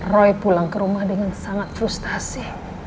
roy pulang ke rumah dengan sangat frustasi